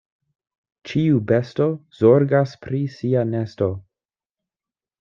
Ĉiu besto zorgas pri sia nesto.